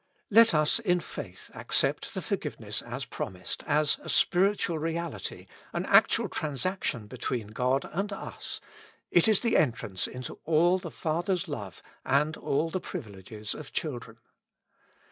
Let us in faith accept the forgiveness as promised ; as a spiritual reality, an actual transaction between God and us, it is the entrance into all the Father's love and all the privileges of children.